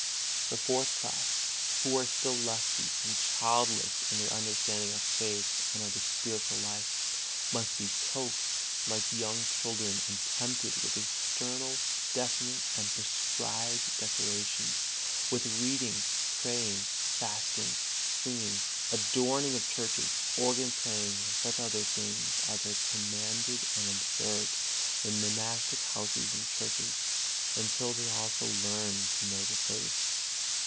The fourth class, who are still lusty, and childish in their understanding of faith and of the spiritual life, must be coaxed like young children and tempted with external, definite and prescribed decorations, with reading, praying, fasting, singing, adorning of churches, organ playing, and such other things as are commanded and observed in monastic houses and churches, until they also learn to know the faith.